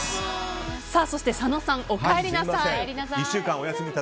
そして佐野さん、おかえりなさい。